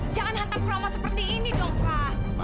jangan hantam kurama seperti ini dong pak